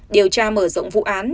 điều tra mở rộng vụ án